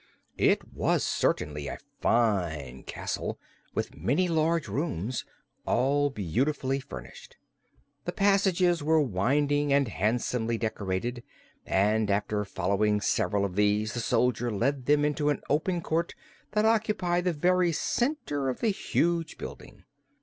It was certainly a fine castle, with many large rooms, all beautifully furnished. The passages were winding and handsomely decorated, and after following several of these the soldier led them into an open court that occupied the very center of the huge building.